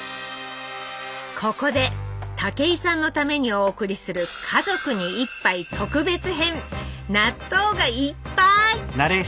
ここで武井さんのためにお送りする「家族に一杯特別編」「納豆がいっぱい」！